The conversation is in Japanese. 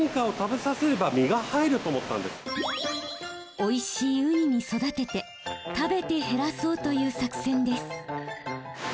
おいしいウニに育てて食べて減らそうという作戦です。